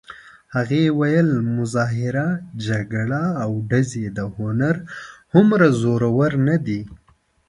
هغې ویل: مظاهره، جګړه او ډزې د هنر هومره زورور نه دي.